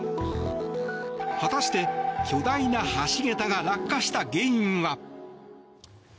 果たして巨大な橋桁が落下した原因は。